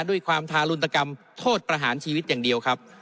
ด้วยความทารุนตกรรมโทษประหารชีวิตอย่างเดียวครับ